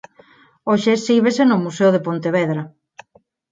Hoxe exhíbese no Museo de Pontevedra.